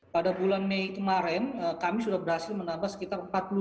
pada bulan mei kemarin kami sudah berhasil menambah sekitar empat puluh lima